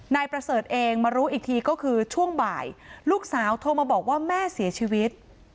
นายประเสริฐเองมารู้อีกทีก็คือช่วงบ่ายลูกสาวโทรมาบอกว่าแม่เสียชีวิต